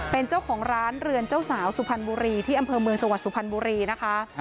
เป็นเจ้าของร้านเรือนเจ้าสาวสุพรรณบุรีที่อำเภอเมืองจังหวัดสุพรรณบุรีนะคะ